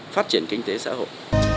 phát triển kinh tế xã hội